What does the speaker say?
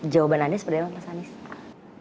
jawaban anda seperti apa pak sanis